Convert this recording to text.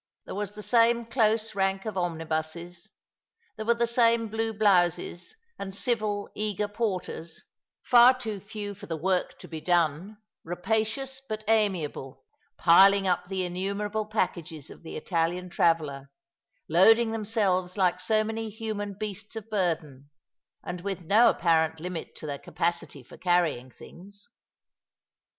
There was the same close rank of omnibuses. There were the same blue blouses and civil, eager porters, far too few for the work to be done, rapacious but amiable, piling up the innumerable packages of the Italian traveller, loading themselves like so many human beasts of burden, and with no apparent limit to theii capacity for carrying things.